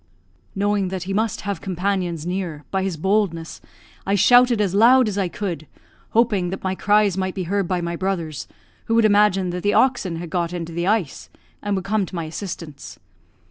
Knowing that he must have companions near, by his boldness, I shouted as loud as I could, hoping that my cries might be heard by my brothers, who would imagine that the oxen had got into the ice, and would come to my assistance.